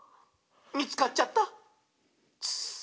みつかっちゃった！」